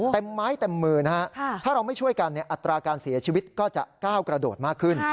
ไม้เต็มมือนะฮะถ้าเราไม่ช่วยกันอัตราการเสียชีวิตก็จะก้าวกระโดดมากขึ้น